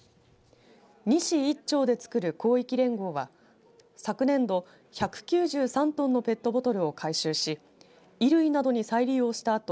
２市１町で作る広域連合では昨年度１９３トンのペットボトルを回収し衣類などに再利用したあと